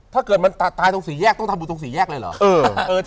ถ้าเกิดมันตายตรงสี่แยกต้องทำบุญตรงสี่แยกเลยเหรอ